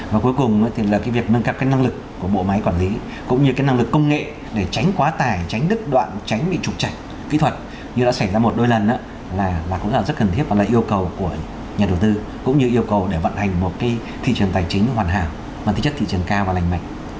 và cuối cùng thì là cái việc nâng cao cái năng lực của bộ máy quản lý cũng như cái năng lực công nghệ để tránh quá tải tránh đứt đoạn tránh bị trục trạch kỹ thuật như đã xảy ra một đôi lần là cũng rất là rất cần thiết và lời yêu cầu của nhà đầu tư cũng như yêu cầu để vận hành một cái thị trường tài chính hoàn hảo mang tính chất thị trường cao và lành mạnh